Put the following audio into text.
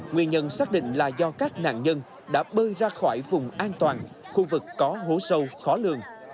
nguyên nhân xác định là do các nạn nhân đã bơi ra khỏi vùng an toàn khu vực có hố sâu khó lường